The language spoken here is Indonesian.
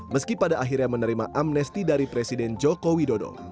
meski pada akhirnya menerima amnesti dari presiden joko widodo